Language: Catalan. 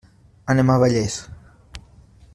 Anem a Vallés.